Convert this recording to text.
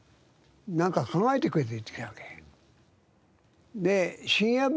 なんか考えてくれって言ってきたわけ。